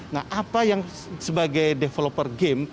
nah apa yang sebagai developer game